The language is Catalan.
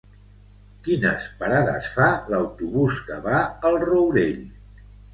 Quines parades fa l'autobús que va al Rourell?